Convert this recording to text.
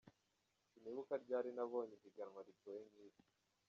"Sinibuka ryari naboye ihiganwa rigoye nk'iri.